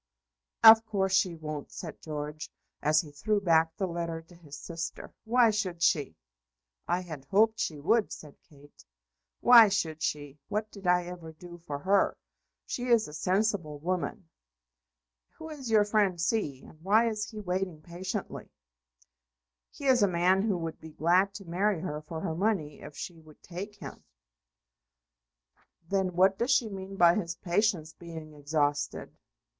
"Of course she won't," said George, as he threw back the letter to his sister. "Why should she?" "I had hoped she would," said Kate. "Why should she? What did I ever do for her? She is a sensible woman. Who is your friend C., and why is he waiting patiently?" "He is a man who would be glad to marry her for her money, if she would take him." "Then what does she mean by his patience being exhausted?"